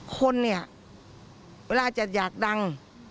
คนเนี่ยเวลาจะอยากดัง